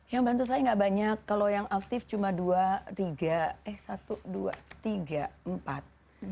yang bantu saya nggak banyak kalau yang aktif cuma dua tiga eh satu dua tiga empat